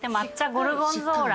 ゴルゴンゾーラ。